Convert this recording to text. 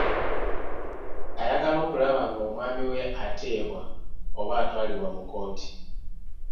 Ayagala okulaba ng'omwamiwe ateebwa oba atwalibwa mu kkooti.